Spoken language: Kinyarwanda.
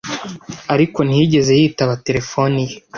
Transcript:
ariko ntiyigeze yitaba telefoni ye.